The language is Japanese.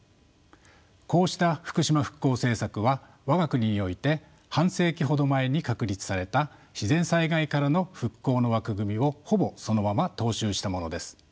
こうした福島復興政策は我が国において半世紀ほど前に確立された自然災害からの復興の枠組みをほぼそのまま踏襲したものです。